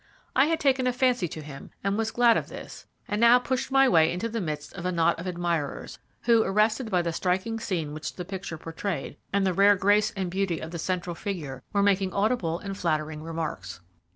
I had taken a fancy to him, and was glad of this, and now pushed my way into the midst of a knot of admirers, who, arrested by the striking scene which the picture portrayed, and the rare grace and beauty of the central figure, were making audible and flattering remarks.